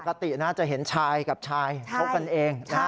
ปกตินะจะเห็นชายกับชายคบกันเอง